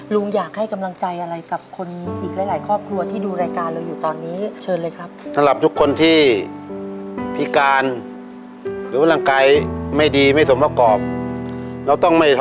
ลุงอยากให้กำลังใจอะไรกับคนอีกหลายครอบครัวที่ดูรายการเราอยู่ตอนนี้